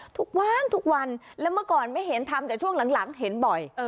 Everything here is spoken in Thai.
ทุกวันทุกวันแล้วเมื่อก่อนไม่เห็นทำแต่ช่วงหลังเห็นบ่อย